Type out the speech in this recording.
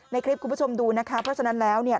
ในคลิปคุณผู้ชมดูนะคะเพราะฉะนั้นแล้วเนี่ย